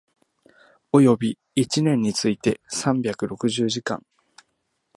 及び一年について三百六十時間